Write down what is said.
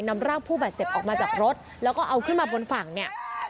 นำร่างผู้บาดเจ็บออกมาจากรถแล้วก็เอาขึ้นมาบนฝั่งเนี่ย